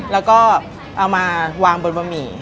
แล้วก็เอามาวางบนบะหมี่